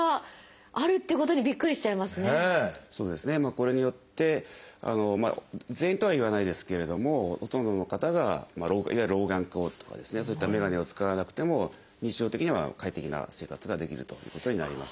これによって全員とは言わないですけれどもほとんどの方がいわゆる老眼鏡とかですねそういったメガネを使わなくても日常的には快適な生活ができるということになります。